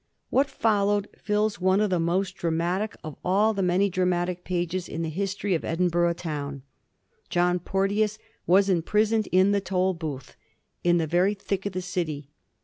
63 What followed fills one of the most dramatic of all the many dramatic pages in the history of Edinburgh town. John Porteons was imprisoned in the Tolbooth, in the very thick of the city.